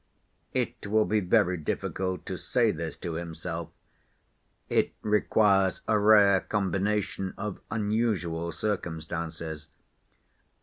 It will be very difficult to say this to himself; it requires a rare combination of unusual circumstances.